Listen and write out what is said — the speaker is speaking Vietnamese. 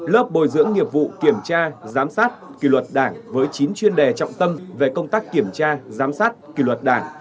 lớp bồi dưỡng nghiệp vụ kiểm tra giám sát kỳ luật đảng với chín chuyên đề trọng tâm về công tác kiểm tra giám sát kỳ luật đảng